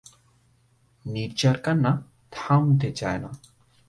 নীরজার কান্না থামতে চায় না।